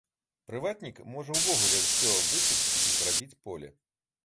Прыватнік можа ўвогуле ўсё высекчы і зрабіць поле.